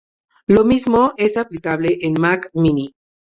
Lo mismo es aplicable al Mac Mini.